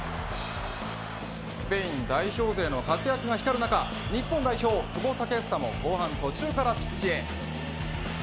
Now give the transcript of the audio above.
スペイン代表勢の活躍が光る中日本代表、久保建英も後半途中からピッチへ。